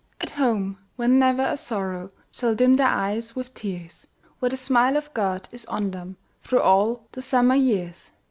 At home, where never a sorrow Shall dim their eyes with tears! Where the smile of God is on them Through all the summer years!